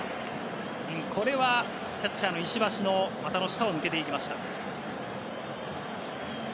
これはキャッチャーの石橋の股の下を抜けていきました。